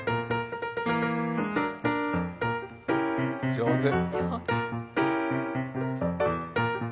上手。